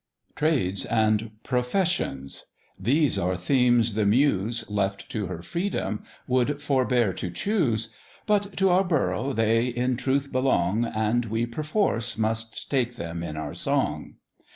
"TRADES and Professions" these are themes the Muse, Left to her freedom, would forbear to choose; But to our Borough they in truth belong, And we, perforce, must take them in our song.